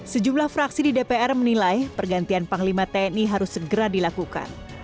sejumlah fraksi di dpr menilai pergantian panglima tni harus segera dilakukan